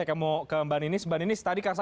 kita break terlebih dahulu ya